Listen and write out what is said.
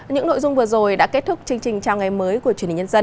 những nội dung vừa rồi đã kết thúc chương trình chào ngày mới của truyền hình nhân dân